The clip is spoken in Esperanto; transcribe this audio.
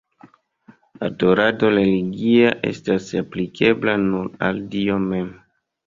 Adorado religia estas aplikebla nur al Dio mem.